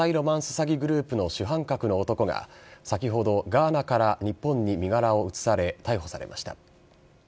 詐欺グループの主犯格の男が、先ほどガーナから日本に身柄を移され、逮捕されました。